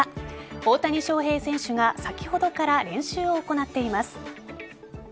大谷翔平選手が先ほどから練習を行っています。